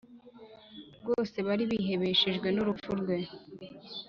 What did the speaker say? Rwose bari bihebeshejwe n’ urupfu rwe